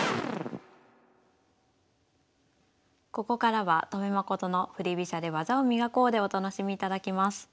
ここからは「戸辺誠の振り飛車で技を磨こう！」でお楽しみいただきます。